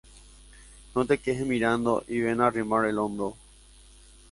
No te quedes mirando y ven a arrimar el hombro